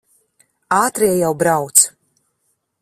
Ātrie jau brauc.